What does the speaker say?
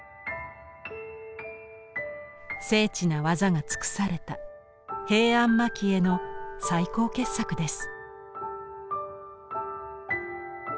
精緻な技が尽くされた平安蒔絵の最高傑作です。